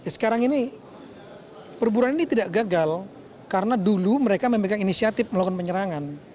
sekarang ini perburuan ini tidak gagal karena dulu mereka memegang inisiatif melakukan penyerangan